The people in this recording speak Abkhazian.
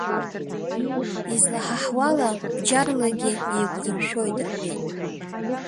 Излаҳаҳуала, бџьарлагьы еиқәдыршәоит, рҳәеит.